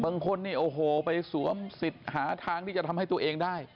บางคนนี่โอ้โหไปสวมสิทธิ์หาทางที่จะทำให้ตัวเองได้